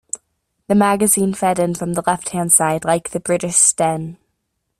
The magazine fed in from the left hand side like the British Sten.